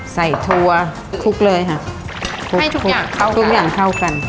ทัวร์คลุกเลยค่ะให้ทุกอย่างเข้าทุกอย่างเข้ากัน